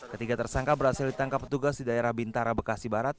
ketiga tersangka berhasil ditangkap petugas di daerah bintara bekasi barat